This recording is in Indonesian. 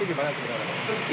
itu gimana sebenarnya